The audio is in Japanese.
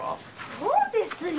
そうですよ！